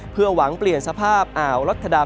เพื่อหวังเปลี่ยนสภาพอ่าวรัฐดา